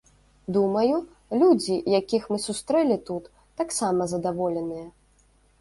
Думаю, людзі, якіх мы сустрэлі тут, таксама задаволеныя.